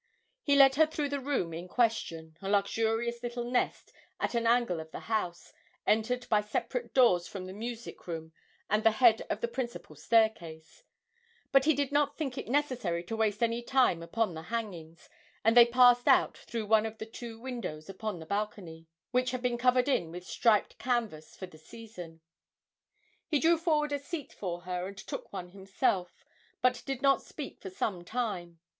He led her through the room in question a luxurious little nest, at an angle of the house, entered by separate doors from the music room and the head of the principal staircase; but he did not think it necessary to waste any time upon the hangings, and they passed out through one of the two windows upon the balcony, which had been covered in with striped canvas for the season. He drew forward a seat for her and took one himself, but did not speak for some time.